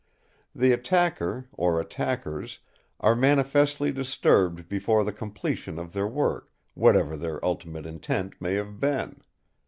The attacker, or attackers, are manifestly disturbed before the completion of their work, whatever their ultimate intent may have been.